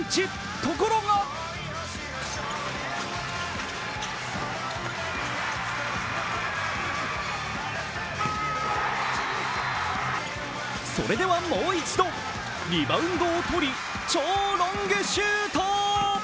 ところがそれではもう一度、リバウンドを取り、超ロングシュート。